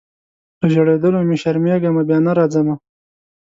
له ژړېدلو مي شرمېږمه بیا نه راځمه